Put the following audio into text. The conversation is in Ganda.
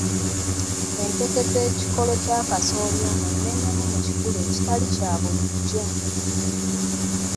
Empeke z'ekikolo kya kasooli ono nene mu kikula ekitali kya bulijjo.